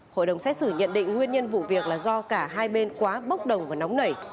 hội đồng xét xử nhận định nguyên nhân vụ việc là do cả hai bên quá bốc đồng và nóng nảy